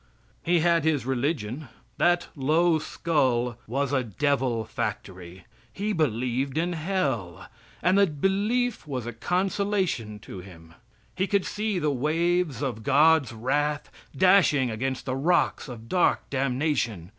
He had his religion. That low skull was a devil factory. He believed in Hell, and the belief was a consolation to him. He could see the waves of God's wrath dashing against the rocks of dark damnation.